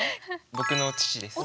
僕の父です。